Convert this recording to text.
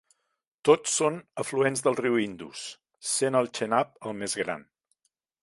Tots són afluents del riu Indus, sent el Chenab el més gran.